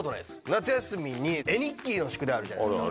夏休みに絵日記の宿題あるじゃないですか。